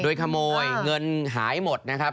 โดยขโมยเงินหายหมดนะครับ